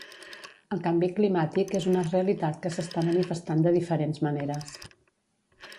El canvi climàtic és una realitat que s'està manifestant de diferents maneres